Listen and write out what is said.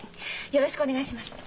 よろしくお願いします。